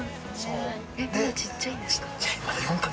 またちっちゃいんですか。